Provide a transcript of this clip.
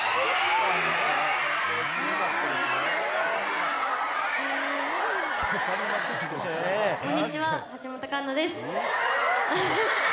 こんにちは。